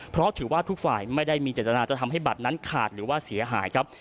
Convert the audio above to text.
เพราะถือว่าทุกฝ่ายไม่ได้มีเจตนาจะทำให้บัตรนั้นขาดหรือว่าเสียหายครับ